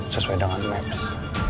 sesuai dengan maps